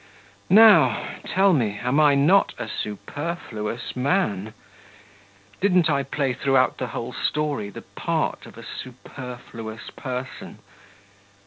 Now, tell me, am I not a superfluous man? Didn't I play throughout the whole story the part of a superfluous person?